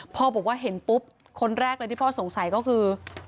พ่อบอกว่าเห็นปุ๊บคนแรกเลยที่พ่อสงสัยก็คือ